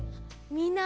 みんな！